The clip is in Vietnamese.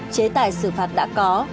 chế tài xử phạt đã có